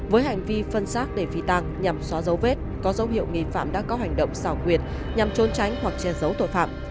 với hành vi phân xác để phi tăng nhằm xóa dấu vết có dấu hiệu nghi phạm đã có hành động xảo quyệt nhằm trốn tránh hoặc che giấu tội phạm